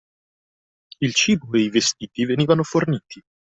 Il cibo e i vestiti venivano forniti.